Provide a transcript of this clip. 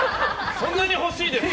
そんなに欲しいですか。